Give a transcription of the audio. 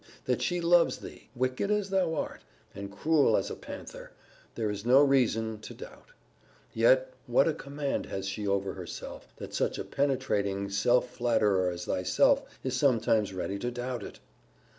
That she loves thee, wicked as thou art, and cruel as a panther, there is no reason to doubt. Yet, what a command has she over herself, that such a penetrating self flatterer as thyself is sometimes ready to doubt it!